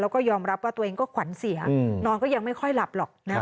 แล้วก็ยอมรับว่าตัวเองก็ขวัญเสียนอนก็ยังไม่ค่อยหลับหรอกนะ